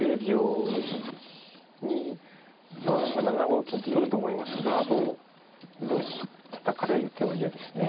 ７五金と取ると思いますがたたかれる手は嫌ですね。